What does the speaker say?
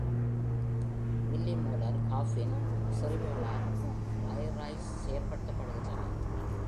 Millimolar caffeine செறிவுகளால் RyRs செயல்படுத்தப்படுகின்றன.